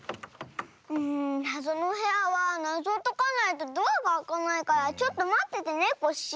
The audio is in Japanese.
なぞのおへやはなぞをとかないとドアがあかないからちょっとまっててねコッシー。